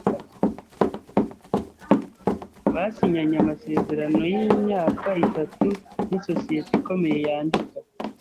Basinyanye amasezerano yimyaka itatu nisosiyete ikomeye yandika.